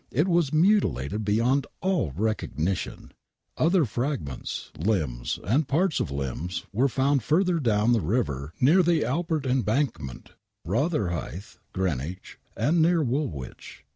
It was mutilated beyond all recognition !! Other fragments, Ijimbs, and parts of limbs, were found further do^^^l the river near the Albert Embankment, Botherhithe, Greenwich, and near Woolwich.